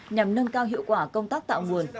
nhằm nâng cao hiệu quả công tác tạo nguồn